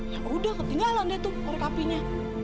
ya udah ketinggalan deh tuh korek apinya